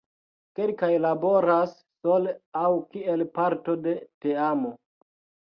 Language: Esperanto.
Kelkaj laboras sole aŭ kiel parto de teamo.